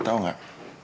lo tau gak